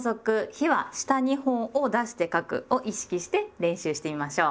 「日は下２本を出して書く」を意識して練習してみましょう！